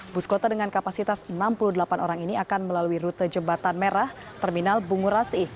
bus kota dengan kapasitas enam puluh delapan orang ini akan melalui rute jembatan merah terminal bungurasi